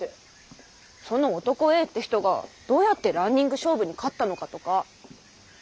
その「男Ａ」って人がどうやってランニング勝負に勝ったのかとか。